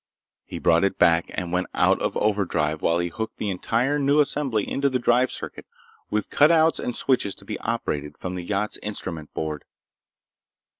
He brought it back and went out of overdrive while he hooked the entire new assembly into the drive circuit, with cut outs and switches to be operated from the yacht's instrument board.